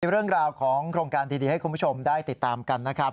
เรื่องราวของโครงการดีให้คุณผู้ชมได้ติดตามกันนะครับ